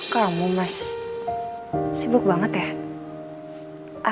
kamu mas sibuk banget ya